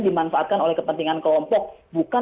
dimanfaatkan oleh kepentingan kelompok bukan